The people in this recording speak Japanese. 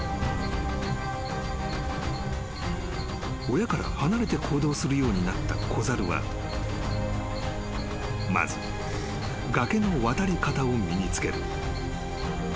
［親から離れて行動するようになった子猿はまず崖の渡り方を身に付ける］